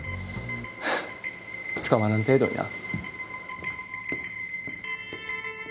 はぁ捕まらん程度にな。